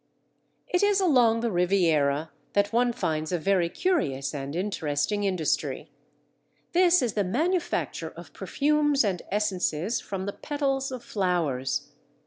It is along the Riviera that one finds a very curious and interesting industry. This is the manufacture of perfumes and essences from the petals of flowers.